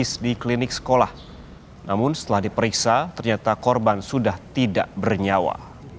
namun setelah diperiksa ternyata korban sudah tidak bernyawa